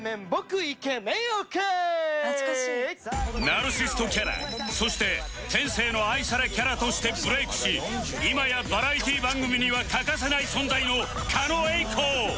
ナルシストキャラそして天性の愛されキャラとしてブレイクし今やバラエティー番組には欠かせない存在の狩野英孝